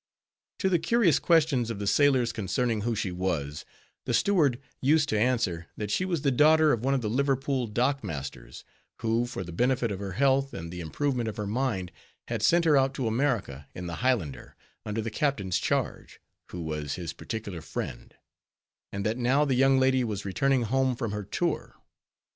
To the curious questions of the sailors concerning who she was, the steward used to answer, that she was the daughter of one of the Liverpool dock masters, who, for the benefit of her health and the improvement of her mind, had sent her out to America in the Highlander, under the captain's charge, who was his particular friend; and that now the young lady was returning home from her tour.